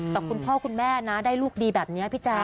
แต่คุณพ่อคุณแม่นะได้ลูกดีแบบนี้พี่แจ๊